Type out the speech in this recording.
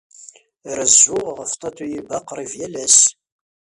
Rezzuɣ ɣef Tatoeba qrib yal ass.